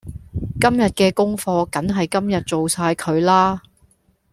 今日嘅功課梗係今日做晒佢啦